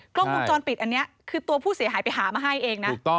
กล้องวงจรปิดอันนี้คือตัวผู้เสียหายไปหามาให้เองนะ